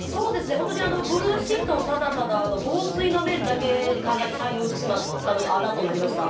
本当にブルーシートをただただ、防水の面だけ考えて採用してしまったのがあだとなりました。